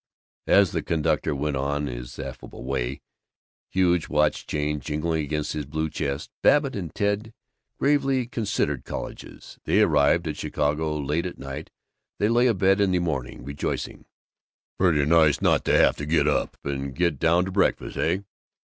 As the conductor went on his affable way, huge watch chain jingling against his blue chest, Babbitt and Ted gravely considered colleges. They arrived at Chicago late at night; they lay abed in the morning, rejoicing, "Pretty nice not to have to get up and get down to breakfast, heh?"